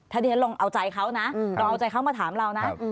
ถ้าที่ฉันลองเอาใจเขานะลองเอาใจเขามาถามเรานะ